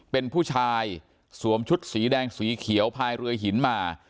เป็นผู้ชายสวมชุดสีแดงสีเขียวพายเรือหินมา